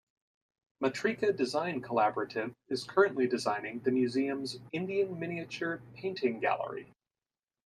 Matrika Design Collaborative is currently designing the museum's Indian miniature painting gallery.